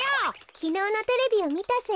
きのうのテレビをみたせいよ。